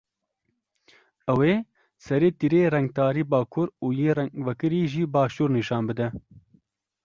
Ew ê serê tîrê rengtarî bakur û yê rengvekirî jî başûr nîşan bide.